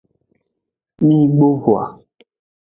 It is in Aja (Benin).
Migbo voa.